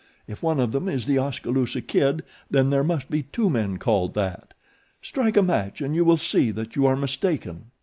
If one of them is The Oskaloosa Kid then there must be two men called that. Strike a match and you will see that you are mistaken."